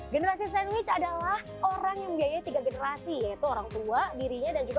generasi sandwich adalah orang yang biayanya tiga generasi yaitu orangtua dirinya dan juga